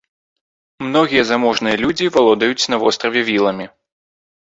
Многія заможныя людзі валодаюць на востраве віламі.